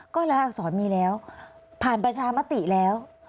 ก็ละอักษรมีแล้วผ่านประชามติแล้ว